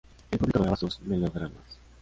El público adoraba sus melodramas.